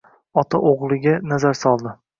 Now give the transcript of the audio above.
Ota oʻgʻliga nazar soldi.